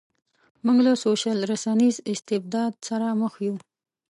موږ له سوشل رسنیز استبداد سره مخ یو.